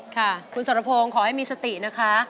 ค่ะคุณสรพงศ์ขอให้มีสตินะคะ